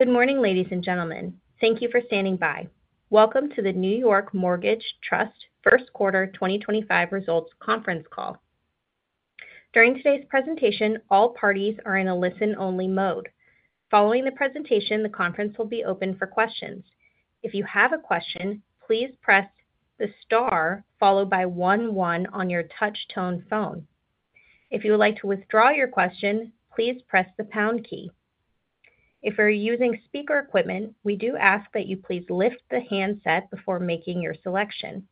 Good morning, ladies and gentlemen. Thank you for standing by. Welcome to the New York Mortgage Trust First Quarter 2025 Results Conference Call. During today's presentation, all parties are in a listen-only mode. Following the presentation, the conference will be open for questions. If you have a question, please press the star followed by one one on your touch-tone phone. If you would like to withdraw your question, please press the pound key. If you're using speaker equipment, we do ask that you please lift the handset before making your selection.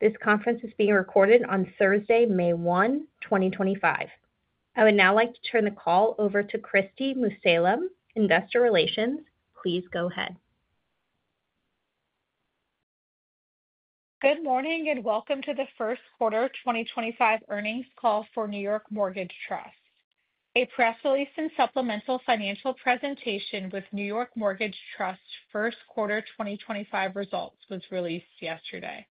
This conference is being recorded on Thursday, May 1, 2025. I would now like to turn the call over to Kristi Mussallem, Investor Relations. Please go ahead. Good morning and welcome to the First Quarter 2025 Earnings Call for New York Mortgage Trust. A press release and supplemental financial presentation with New York Mortgage Trust First Quarter 2025 Results was released yesterday.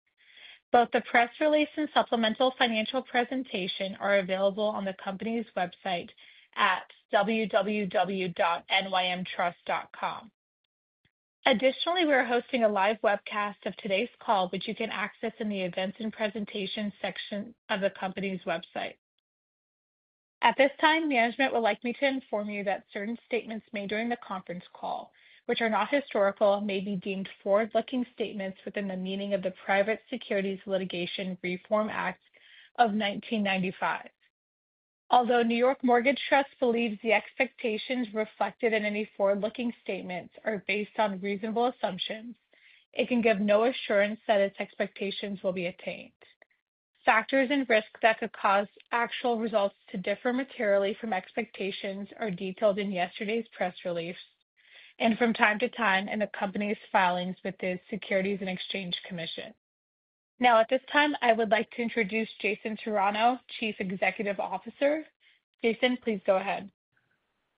Both the press release and supplemental financial presentation are available on the company's website at www.nymtrust.com. Additionally, we are hosting a live webcast of today's call, which you can access in the Events and Presentations section of the company's website. At this time, management would like me to inform you that certain statements made during the conference call, which are not historical, may be deemed forward-looking statements within the meaning of the Private Securities Litigation Reform Act of 1995. Although New York Mortgage Trust believes the expectations reflected in any forward-looking statements are based on reasonable assumptions, it can give no assurance that its expectations will be attained. Factors and risks that could cause actual results to differ materially from expectations are detailed in yesterday's press release and from time to time in the company's filings with the Securities and Exchange Commission. Now, at this time, I would like to introduce Jason Serrano, Chief Executive Officer. Jason, please go ahead.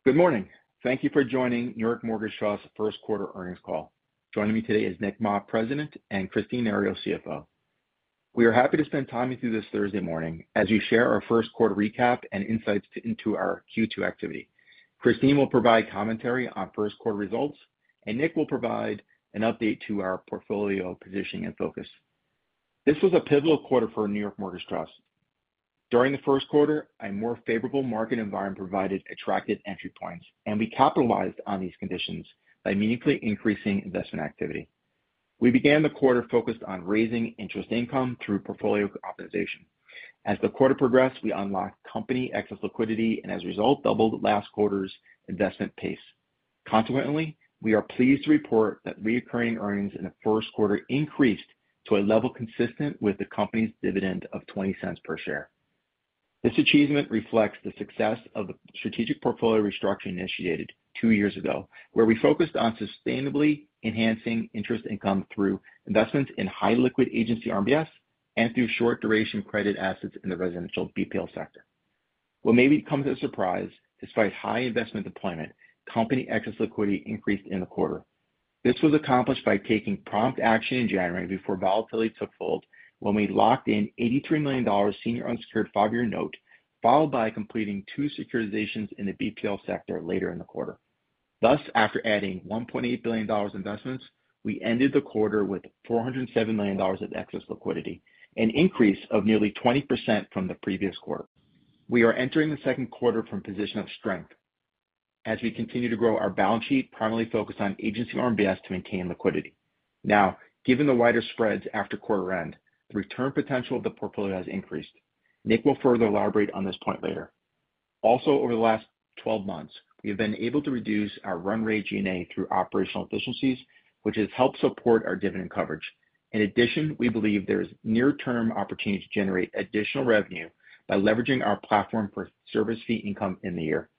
Good morning. Thank you for joining New York Mortgage Trust First Quarter Earnings Call. Joining me today is Nick Ma, President, and Kristine Nario-Eng, CFO. We are happy to spend time with you this Thursday morning as you share our first quarter recap and insights into our Q2 activity. Kristine will provide commentary on first quarter results, and Nick will provide an update to our portfolio positioning and focus. This was a pivotal quarter for New York Mortgage Trust. During the first quarter, a more favorable market environment provided attractive entry points, and we capitalized on these conditions by meaningfully increasing investment activity. We began the quarter focused on raising interest income through portfolio optimization. As the quarter progressed, we unlocked company excess liquidity and, as a result, doubled last quarter's investment pace. Consequently, we are pleased to report that recurring earnings in the first quarter increased to a level consistent with the company's dividend of $0.20 per share. This achievement reflects the success of the strategic portfolio restructuring initiated two years ago, where we focused on sustainably enhancing interest income through investments in high liquid Agency RMBS and through short-duration credit assets in the residential BPL sector. What maybe comes as a surprise, despite high investment deployment, company excess liquidity increased in the quarter. This was accomplished by taking prompt action in January before volatility took hold when we locked in $83 million senior unsecured five-year note, followed by completing two securitizations in the BPL sector later in the quarter. Thus, after adding $1.8 billion investments, we ended the quarter with $407 million of excess liquidity, an increase of nearly 20% from the previous quarter. We are entering the second quarter from a position of strength as we continue to grow our balance sheet, primarily focused on Agency RMBS to maintain liquidity. Now, given the wider spreads after quarter end, the return potential of the portfolio has increased. Nick will further elaborate on this point later. Also, over the last 12 months, we have been able to reduce our run rate G&A through operational efficiencies, which has helped support our dividend coverage. In addition, we believe there is near-term opportunity to generate additional revenue by leveraging our platform for service fee income in the year.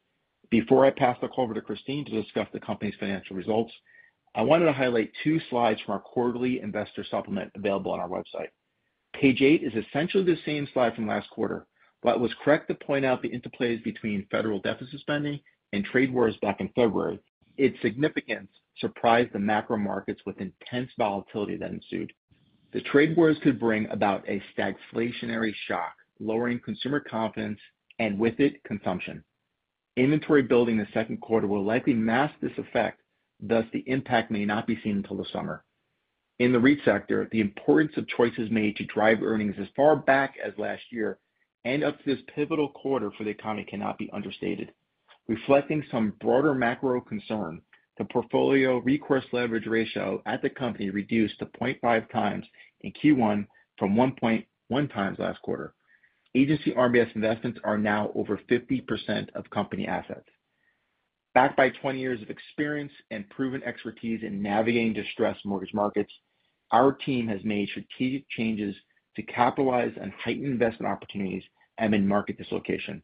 Before I pass the call over to Kristine to discuss the company's financial results, I wanted to highlight two slides from our quarterly investor supplement available on our website. Page eight is essentially the same slide from last quarter, but it was correct to point out the interplays between federal deficit spending and trade wars back in February. Its significance surprised the macro markets with intense volatility that ensued. The trade wars could bring about a stagflationary shock, lowering consumer confidence and, with it, consumption. Inventory building in the second quarter will likely mask this effect, thus the impact may not be seen until the summer. In the REIT sector, the importance of choices made to drive earnings as far back as last year and up to this pivotal quarter for the economy cannot be understated. Reflecting some broader macro concern, the portfolio recourse leverage ratio at the company reduced to 0.5x in Q1 from 1.1x last quarter. Agency RMBS investments are now over 50% of company assets. Backed by 20 years of experience and proven expertise in navigating distressed mortgage markets, our team has made strategic changes to capitalize on heightened investment opportunities amid market dislocation.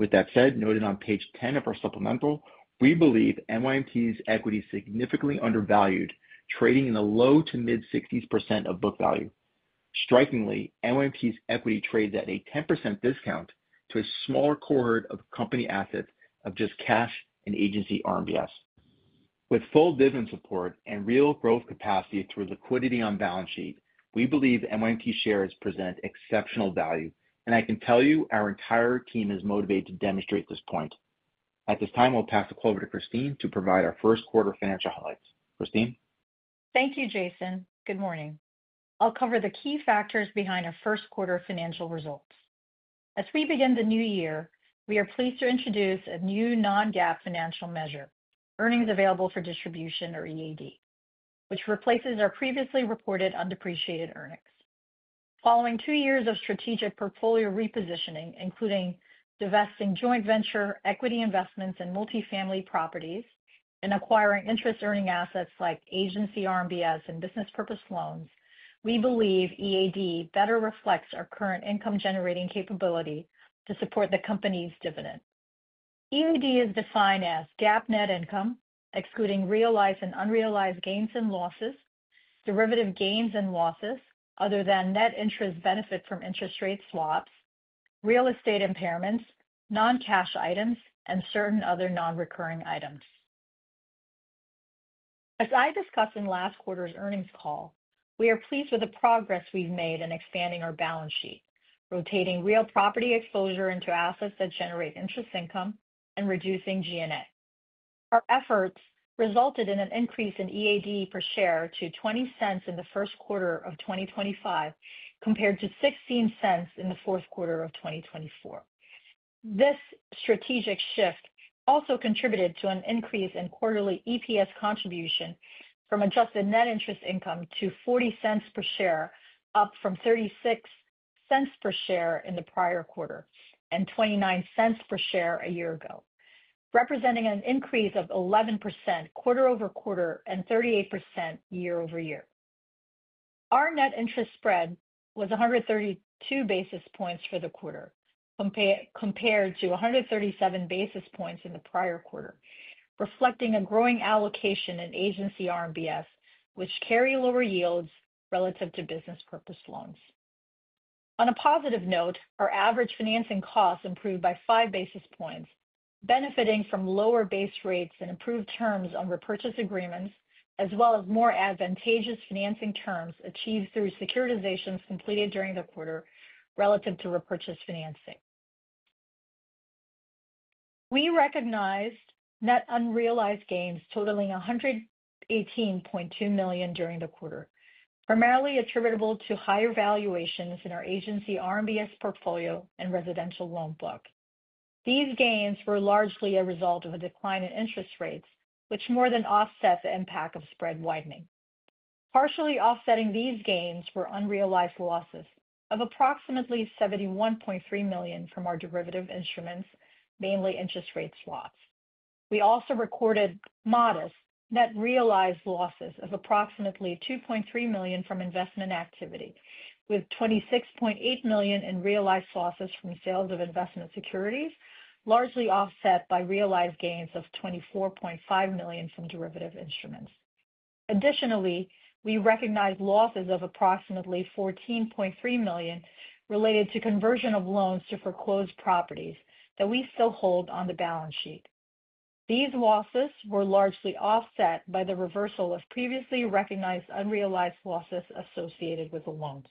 With that said, noted on page 10 of our supplemental, we believe NYMT's equity is significantly undervalued, trading in the low to mid-60% of book value. Strikingly, NYMT's equity trades at a 10% discount to a smaller cohort of company assets of just cash and Agency RMBS. With full dividend support and real growth capacity through liquidity on balance sheet, we believe NYMT's shares present exceptional value, and I can tell you our entire team is motivated to demonstrate this point. At this time, I'll pass the call over to Kristine to provide our first quarter financial highlights. Kristine. Thank you, Jason. Good morning. I'll cover the key factors behind our first quarter financial results. As we begin the new year, we are pleased to introduce a new non-GAAP financial measure, earnings available for distribution or EAD, which replaces our previously reported undepreciated earnings. Following two years of strategic portfolio repositioning, including divesting joint venture, equity investments, and multifamily properties, and acquiring interest-earning assets like Agency RMBS and business purpose loans, we believe EAD better reflects our current income-generating capability to support the company's dividend. EAD is defined as GAAP net income, excluding realized and unrealized gains and losses, derivative gains and losses other than net interest benefit from interest rate swaps, real estate impairments, non-cash items, and certain other non-recurring items. As I discussed in last quarter's earnings call, we are pleased with the progress we've made in expanding our balance sheet, rotating real property exposure into assets that generate interest income, and reducing G&A. Our efforts resulted in an increase in EAD per share to $0.20 in the first quarter of 2025 compared to $0.16 in the fourth quarter of 2024. This strategic shift also contributed to an increase in quarterly EPS contribution from adjusted net interest income to $0.40 per share, up from $0.36 per share in the prior quarter and $0.29 per share a year ago, representing an increase of 11% quarter-over-quarter and 38% year-over-year. Our net interest spread was 132 basis points for the quarter, compared to 137 basis points in the prior quarter, reflecting a growing allocation in Agency RMBS, which carry lower yields relative to business purpose loans. On a positive note, our average financing costs improved by five basis points, benefiting from lower base rates and improved terms on repurchase agreements, as well as more advantageous financing terms achieved through securitizations completed during the quarter relative to repurchase financing. We recognized net unrealized gains totaling $118.2 million during the quarter, primarily attributable to higher valuations in our Agency RMBS portfolio and residential loan book. These gains were largely a result of a decline in interest rates, which more than offset the impact of spread widening. Partially offsetting these gains were unrealized losses of approximately $71.3 million from our derivative instruments, mainly interest rate swaps. We also recorded modest net realized losses of approximately $2.3 million from investment activity, with $26.8 million in realized losses from sales of investment securities, largely offset by realized gains of $24.5 million from derivative instruments. Additionally, we recognized losses of approximately $14.3 million related to conversion of loans to foreclosed properties that we still hold on the balance sheet. These losses were largely offset by the reversal of previously recognized unrealized losses associated with the loans.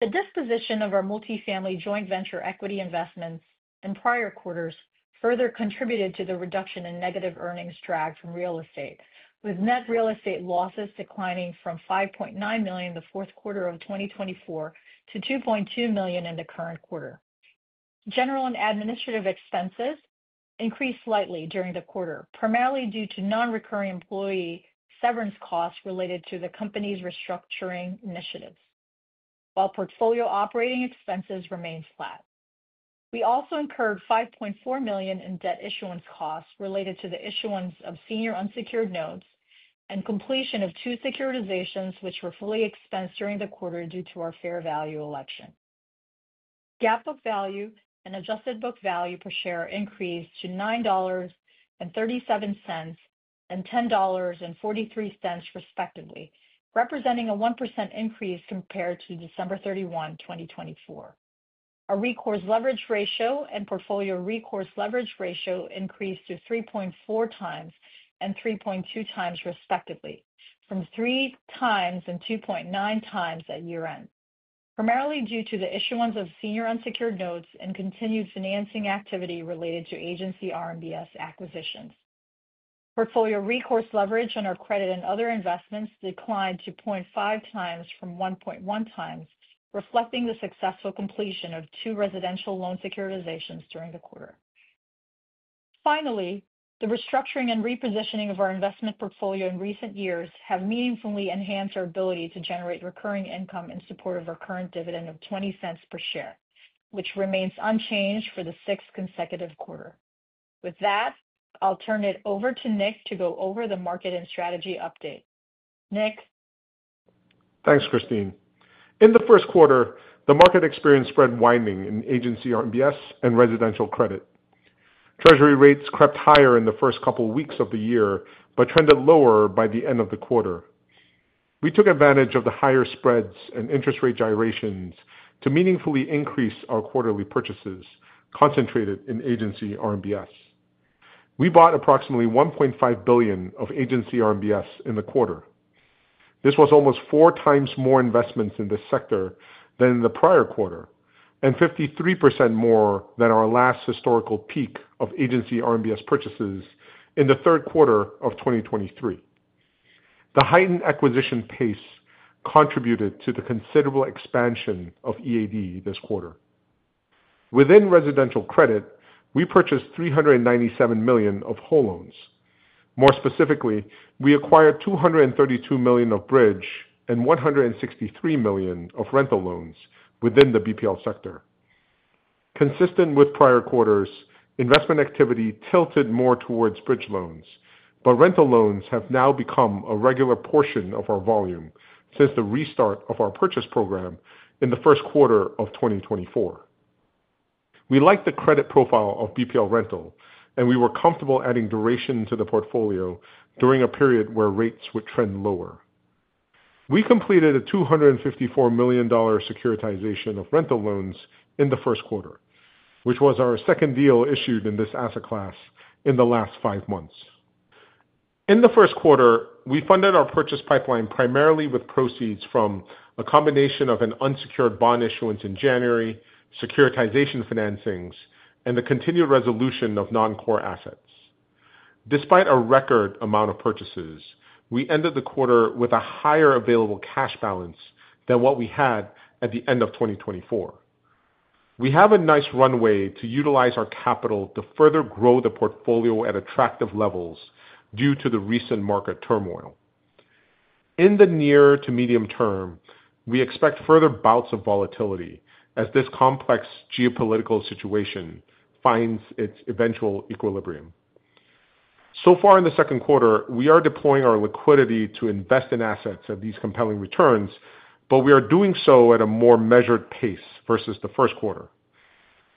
The disposition of our multifamily joint venture equity investments in prior quarters further contributed to the reduction in negative earnings drag from real estate, with net real estate losses declining from $5.9 million in the fourth quarter of 2024 to $2.2 million in the current quarter. General and administrative expenses increased slightly during the quarter, primarily due to non-recurring employee severance costs related to the company's restructuring initiatives, while portfolio operating expenses remained flat. We also incurred $5.4 million in debt issuance costs related to the issuance of senior unsecured notes and completion of two securitizations, which were fully expensed during the quarter due to our fair value election. GAAP book value and adjusted book value per share increased to $9.37 and $10.43 respectively, representing a 1% increase compared to December 31, 2024. Our recourse leverage ratio and portfolio recourse leverage ratio increased to 3.4x and 3.2x respectively, from 3x and 2.9x at year-end, primarily due to the issuance of senior unsecured notes and continued financing activity related to Agency RMBS acquisitions. Portfolio recourse leverage on our credit and other investments declined to 0.5x from 1.1x, reflecting the successful completion of two residential loan securitizations during the quarter. Finally, the restructuring and repositioning of our investment portfolio in recent years have meaningfully enhanced our ability to generate recurring income in support of our current dividend of $0.20 per share, which remains unchanged for the sixth consecutive quarter. With that, I'll turn it over to Nick to go over the market and strategy update. Nick. Thanks, Kristine. In the first quarter, the market experienced spread widening in Agency RMBS and residential credit. Treasury rates crept higher in the first couple of weeks of the year, but trended lower by the end of the quarter. We took advantage of the higher spreads and interest rate gyrations to meaningfully increase our quarterly purchases concentrated in Agency RMBS. We bought approximately $1.5 billion of Agency RMBS in the quarter. This was almost 4x more investments in this sector than in the prior quarter and 53% more than our last historical peak of Agency RMBS purchases in the third quarter of 2023. The heightened acquisition pace contributed to the considerable expansion of EAD this quarter. Within residential credit, we purchased $397 million of whole loans. More specifically, we acquired $232 million of bridge and $163 million of rental loans within the BPL sector. Consistent with prior quarters, investment activity tilted more towards bridge loans, but rental loans have now become a regular portion of our volume since the restart of our purchase program in the first quarter of 2024. We liked the credit profile of BPL rental, and we were comfortable adding duration to the portfolio during a period where rates would trend lower. We completed a $254 million securitization of rental loans in the first quarter, which was our second deal issued in this asset class in the last five months. In the first quarter, we funded our purchase pipeline primarily with proceeds from a combination of an unsecured bond issuance in January, securitization financings, and the continued resolution of non-core assets. Despite a record amount of purchases, we ended the quarter with a higher available cash balance than what we had at the end of 2024. We have a nice runway to utilize our capital to further grow the portfolio at attractive levels due to the recent market turmoil. In the near to medium term, we expect further bouts of volatility as this complex geopolitical situation finds its eventual equilibrium. So far in the second quarter, we are deploying our liquidity to invest in assets at these compelling returns, but we are doing so at a more measured pace versus the first quarter.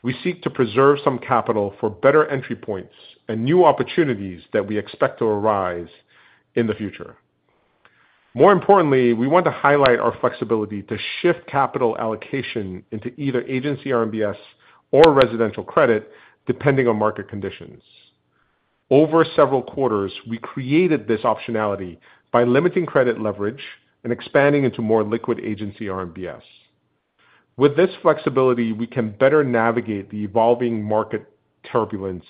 We seek to preserve some capital for better entry points and new opportunities that we expect to arise in the future. More importantly, we want to highlight our flexibility to shift capital allocation into either Agency RMBS or residential credit, depending on market conditions. Over several quarters, we created this optionality by limiting credit leverage and expanding into more liquid Agency RMBS. With this flexibility, we can better navigate the evolving market turbulence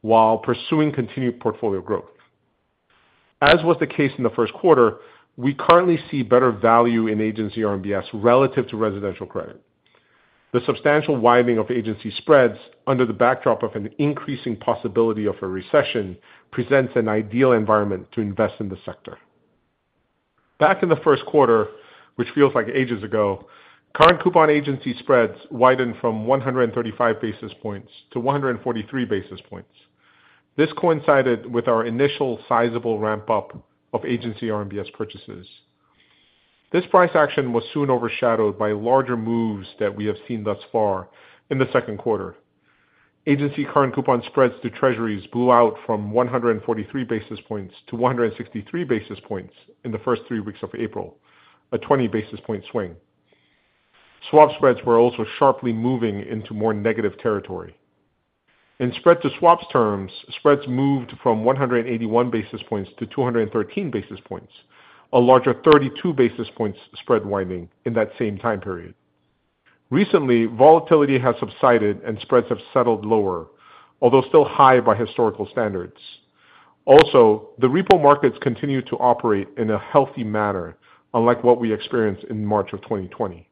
while pursuing continued portfolio growth. As was the case in the first quarter, we currently see better value in Agency RMBS relative to residential credit. The substantial widening of agency spreads under the backdrop of an increasing possibility of a recession presents an ideal environment to invest in the sector. Back in the first quarter, which feels like ages ago, current coupon agency spreads widened from 135 basis points to 143 basis points. This coincided with our initial sizable ramp-up of Agency RMBS purchases. This price action was soon overshadowed by larger moves that we have seen thus far in the second quarter. Agency current coupon spreads to treasuries blew out from 143 basis points to 163 basis points in the first three weeks of April, a 20 basis point swing. Swap spreads were also sharply moving into more negative territory. In spread-to-swaps terms, spreads moved from 181 basis points to 213 basis points, a larger 32 basis points spread widening in that same time period. Recently, volatility has subsided and spreads have settled lower, although still high by historical standards. Also, the repo markets continue to operate in a healthy manner, unlike what we experienced in March of 2020.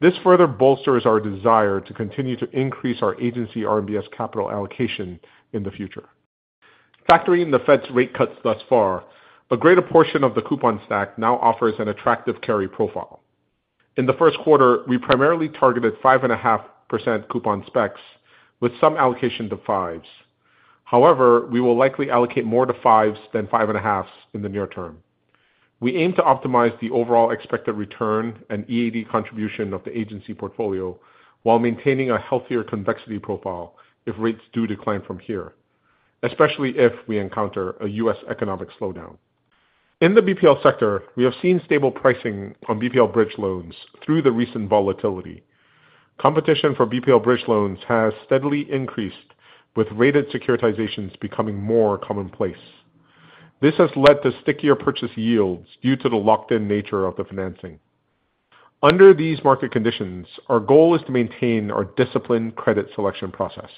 This further bolsters our desire to continue to increase our Agency RMBS capital allocation in the future. Factoring in the Fed's rate cuts thus far, a greater portion of the coupon stack now offers an attractive carry profile. In the first quarter, we primarily targeted 5.5% coupon specs with some allocation to fives. However, we will likely allocate more to 5s than 5.5s in the near term. We aim to optimize the overall expected return and EAD contribution of the agency portfolio while maintaining a healthier convexity profile if rates do decline from here, especially if we encounter a U.S. economic slowdown. In the BPL sector, we have seen stable pricing on BPL bridge loans through the recent volatility. Competition for BPL bridge loans has steadily increased, with rated securitizations becoming more commonplace. This has led to stickier purchase yields due to the locked-in nature of the financing. Under these market conditions, our goal is to maintain our disciplined credit selection process,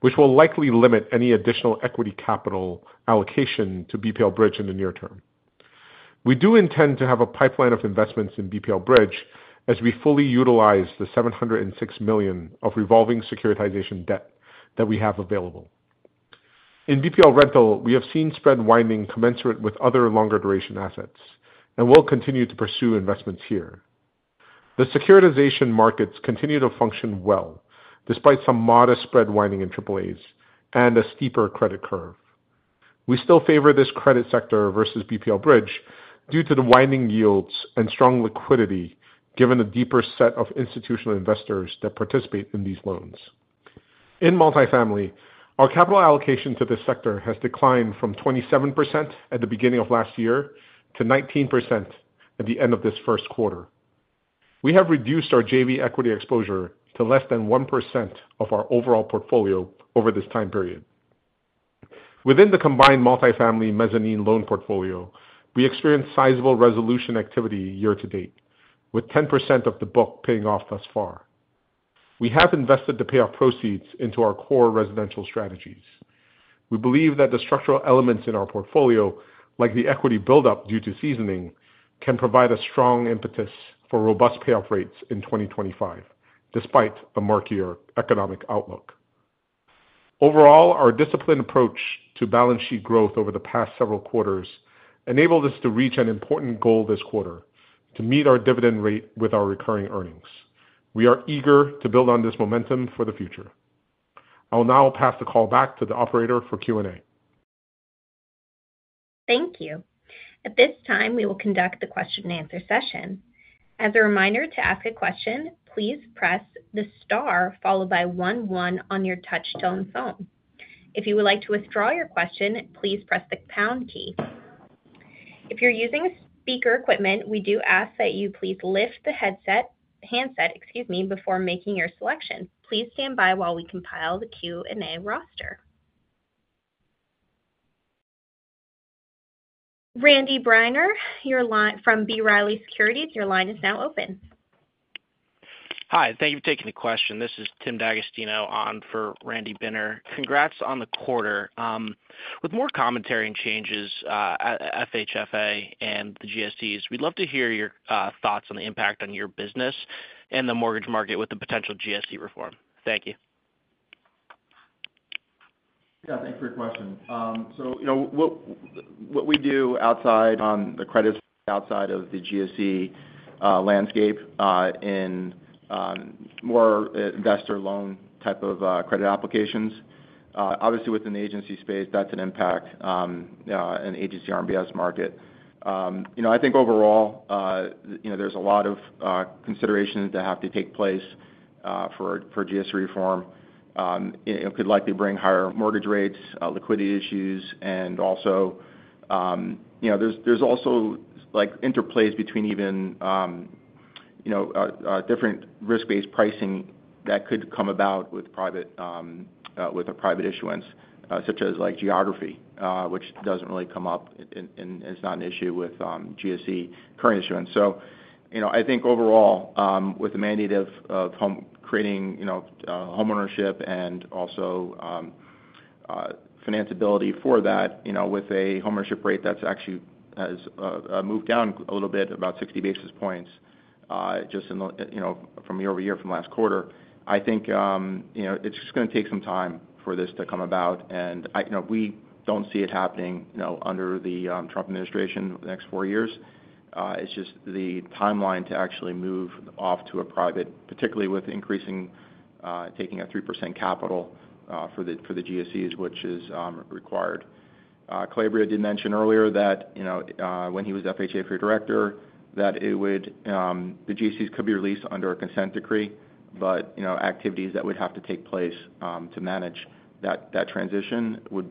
which will likely limit any additional equity capital allocation to BPL bridge in the near term. We do intend to have a pipeline of investments in BPL bridge as we fully utilize the $706 million of revolving securitization debt that we have available. In BPL rental, we have seen spread widening commensurate with other longer duration assets, and we will continue to pursue investments here. The securitization markets continue to function well despite some modest spread widening in AAAs and a steeper credit curve. We still favor this credit sector versus BPL bridge due to the widening yields and strong liquidity given the deeper set of institutional investors that participate in these loans. In multifamily, our capital allocation to this sector has declined from 27% at the beginning of last year to 19% at the end of this first quarter. We have reduced our JV equity exposure to less than 1% of our overall portfolio over this time period. Within the combined multifamily mezzanine loan portfolio, we experienced sizable resolution activity year-to-date, with 10% of the book paying off thus far. We have invested the payoff proceeds into our core residential strategies. We believe that the structural elements in our portfolio, like the equity buildup due to seasoning, can provide a strong impetus for robust payoff rates in 2025, despite a murkier economic outlook. Overall, our disciplined approach to balance sheet growth over the past several quarters enabled us to reach an important goal this quarter: to meet our dividend rate with our recurring earnings. We are eager to build on this momentum for the future. I'll now pass the call back to the operator for Q&A. Thank you. At this time, we will conduct the question-and-answer session. As a reminder to ask a question, please press the star followed by one one on your touch-tone phone. If you would like to withdraw your question, please press the pound key. If you're using speaker equipment, we do ask that you please lift the handset, excuse me, before making your selection. Please stand by while we compile the Q&A roster. Randy Binner, you're live from B. Riley Securities. Your line is now open. Hi. Thank you for taking the question. This is Tim D'Agostino on for Randy Binner. Congrats on the quarter. With more commentary and changes at FHFA and the GSEs, we'd love to hear your thoughts on the impact on your business and the mortgage market with the potential GSE reform. Thank you. Yeah. Thanks for your question. What we do outside on the credit outside of the GSE landscape in more investor loan type of credit applications. Obviously, within the agency space, that's an impact in the Agency RMBS market. I think overall, there's a lot of considerations that have to take place for GSE reform. It could likely bring higher mortgage rates, liquidity issues, and also there's also interplays between even different risk-based pricing that could come about with a private issuance, such as geography, which doesn't really come up and is not an issue with GSE current issuance. I think overall, with the mandate of creating homeownership and also financeability for that with a homeownership rate that's actually moved down a little bit, about 60 basis points, just from year-over-year from last quarter, I think it's just going to take some time for this to come about. We do not see it happening under the Trump administration for the next four years. It is just the timeline to actually move off to a private, particularly with increasing, taking a 3% capital for the GSEs, which is required. Calabria did mention earlier that when he was FHFA Director, that the GSEs could be released under a consent decree, but activities that would have to take place to manage that transition would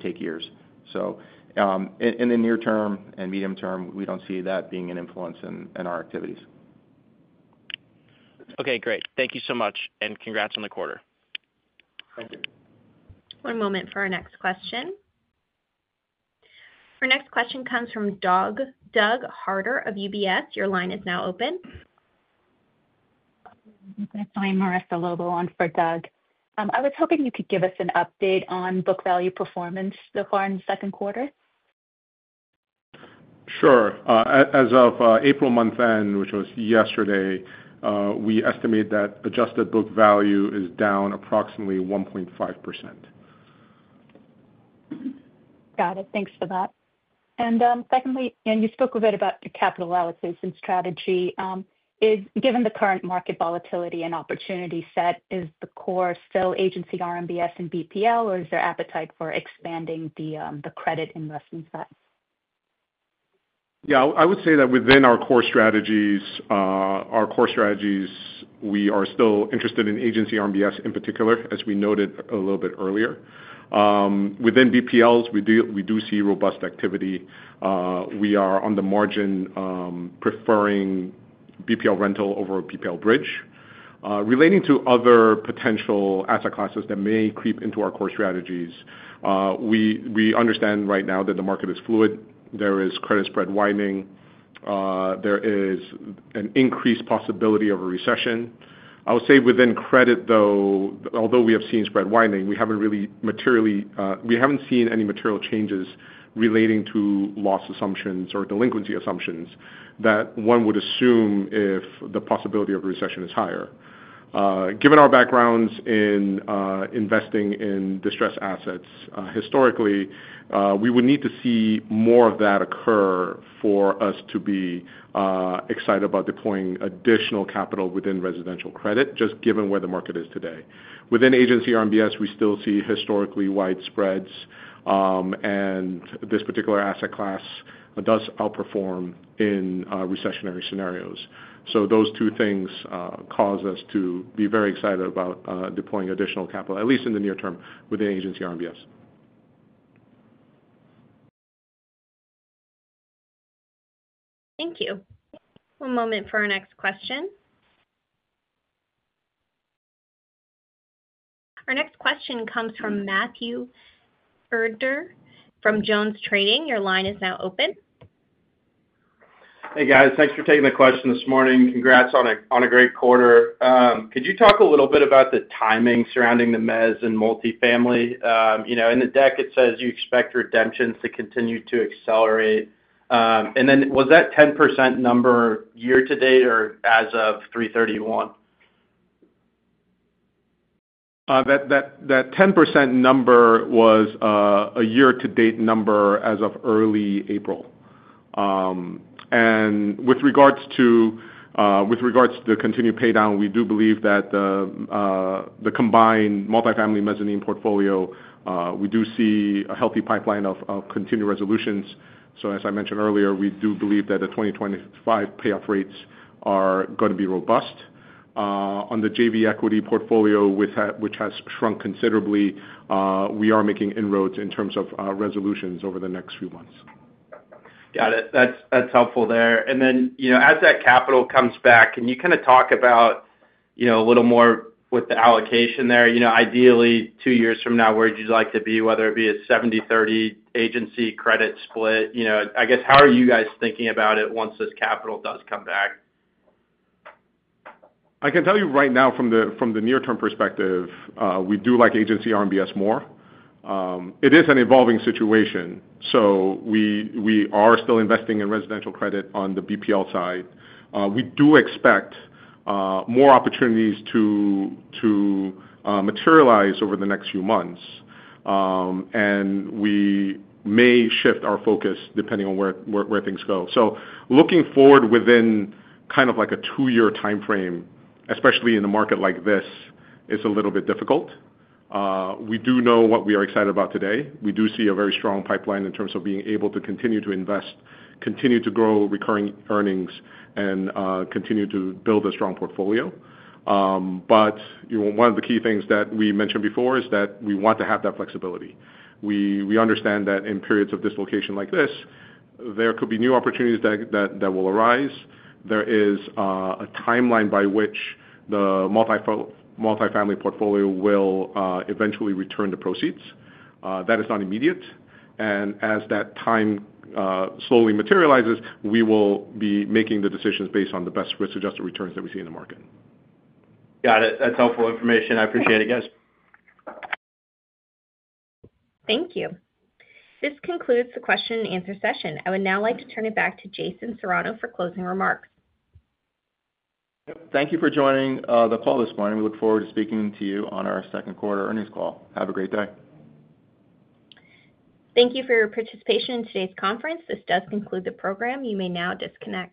take years. In the near term and medium term, we do not see that being an influence in our activities. Okay. Great. Thank you so much. Congrats on the quarter. Thank you. One moment for our next question. Our next question comes from Doug Harter of UBS. Your line is now open. Hi. My name is Marissa Lobo on for Doug. I was hoping you could give us an update on book value performance so far in the second quarter. Sure. As of April month end, which was yesterday, we estimate that adjusted book value is down approximately 1.5%. Got it. Thanks for that. You spoke a bit about your capital allocation strategy. Given the current market volatility and opportunity set, is the core still Agency RMBS and BPL, or is there appetite for expanding the credit investments back? Yeah. I would say that within our core strategies, we are still interested in Agency RMBS in particular, as we noted a little bit earlier. Within BPLs, we do see robust activity. We are on the margin preferring BPL rental over BPL bridge. Relating to other potential asset classes that may creep into our core strategies, we understand right now that the market is fluid. There is credit spread widening. There is an increased possibility of a recession. I would say within credit, though, although we have seen spread widening, we have not really materially seen any material changes relating to loss assumptions or delinquency assumptions that one would assume if the possibility of a recession is higher. Given our backgrounds in investing in distressed assets, historically, we would need to see more of that occur for us to be excited about deploying additional capital within residential credit, just given where the market is today. Within Agency RMBS, we still see historically wide spreads, and this particular asset class does outperform in recessionary scenarios. Those two things cause us to be very excited about deploying additional capital, at least in the near term within Agency RMBS. Thank you. One moment for our next question. Our next question comes from Matthew Erdner from JonesTrading. Your line is now open. Hey, guys. Thanks for taking the question this morning. Congrats on a great quarter. Could you talk a little bit about the timing surrounding the mezz and multifamily? In the deck, it says you expect redemptions to continue to accelerate. Was that 10% number year-to-date or as of 3/31? That 10% number was a year-to-date number as of early April. With regards to the continued paydown, we do believe that the combined multifamily mezzanine portfolio, we do see a healthy pipeline of continued resolutions. As I mentioned earlier, we do believe that the 2025 payoff rates are going to be robust. On the JV equity portfolio, which has shrunk considerably, we are making inroads in terms of resolutions over the next few months. Got it. That's helpful there. As that capital comes back, can you kind of talk about a little more with the allocation there? Ideally, two years from now, where would you like to be, whether it be a 70/30 agency credit split? I guess, how are you guys thinking about it once this capital does come back? I can tell you right now, from the near-term perspective, we do like Agency RMBS more. It is an evolving situation. We are still investing in residential credit on the BPL side. We do expect more opportunities to materialize over the next few months, and we may shift our focus depending on where things go. Looking forward within kind of a two-year time frame, especially in a market like this, it's a little bit difficult. We do know what we are excited about today. We do see a very strong pipeline in terms of being able to continue to invest, continue to grow recurring earnings, and continue to build a strong portfolio. One of the key things that we mentioned before is that we want to have that flexibility. We understand that in periods of dislocation like this, there could be new opportunities that will arise. There is a timeline by which the multifamily portfolio will eventually return the proceeds. That is not immediate. As that time slowly materializes, we will be making the decisions based on the best risk-adjusted returns that we see in the market. Got it. That's helpful information. I appreciate it, guys. Thank you. This concludes the question-and-answer session. I would now like to turn it back to Jason Serrano for closing remarks. Yep. Thank you for joining the call this morning. We look forward to speaking to you on our second quarter earnings call. Have a great day. Thank you for your participation in today's conference. This does conclude the program. You may now disconnect.